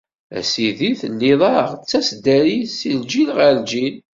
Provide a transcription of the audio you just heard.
A Sidi, telliḍ-aɣ d taseddarit, si lǧil ɣer lǧil!